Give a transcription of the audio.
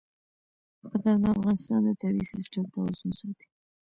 بادام د افغانستان د طبعي سیسټم توازن ساتي.